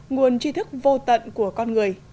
nguồn chi thức vô tận của con người